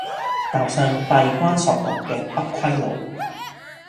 踏上閉關鎖國嘅不歸路